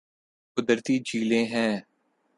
قدرتی جھیلیں ہیں